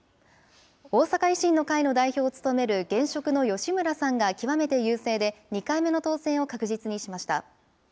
大阪維新の会の代表を務める現職の吉村さんが極めて優勢で、２回目の当選を確実にしました。